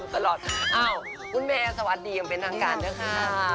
คุณแมยสวัสดีค่ะทุกคนเป็นทางการด้วยค่ะ